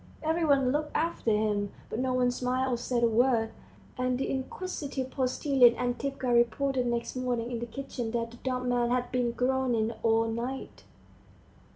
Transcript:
Every one looked after him, but no one smiled or said a word, and the inquisitive postilion Antipka reported next morning in the kitchen that the dumb man had been groaning all night.